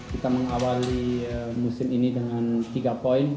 kita mengawali musim ini dengan tiga poin